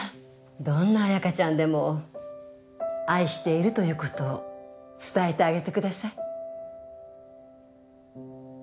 どんな彩香ちゃんでも愛しているということを伝えてあげてください。